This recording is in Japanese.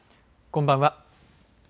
こんばんは。